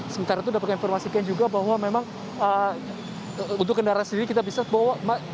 sementara itu dapat informasikan juga bahwa memang untuk kendaraan sendiri kita bisa bawa